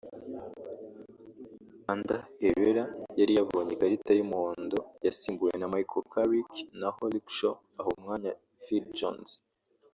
Ander Herrera yari yabonye ikarita y’umuhondo yasimbuwe na Michael Carrick naho Luke Shaw aha umwanya Phil Jones